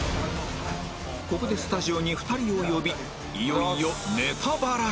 ここでスタジオに２人を呼びいよいよネタバラシ